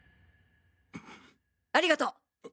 ありがと！